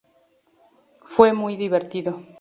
Fue muy divertido".